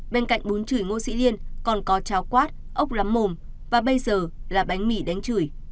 bên cạnh bún chửi ngô sĩ liên còn có cháo quát ốc lắm mồm và bây giờ là bánh mì đánh chửi